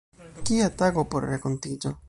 Kia tago por renkontiĝo!